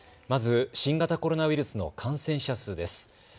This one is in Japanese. まず新型コロナウイルスの感染者数です。